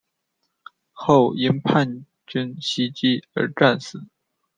后因叛军袭击而战死。